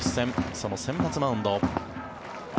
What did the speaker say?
その先発マウンド。